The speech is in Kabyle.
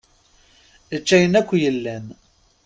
Ečč ayen akk yellan.